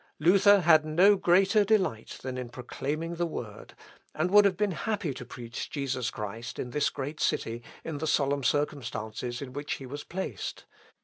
Luther had no greater delight than in proclaiming the word, and would have been happy to preach Jesus Christ in this great city, in the solemn circumstances in which he was placed.